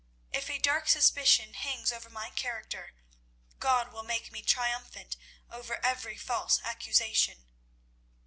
If a dark suspicion hangs over my character, God will make me triumphant over every false accusation."